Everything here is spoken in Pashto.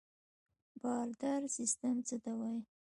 بارتر سیستم څه ته وایي؟